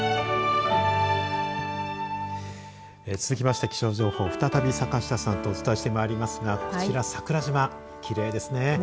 続きまして気象情報再び坂下さんとお伝えしてまいりますがこちら、桜島きれいですね。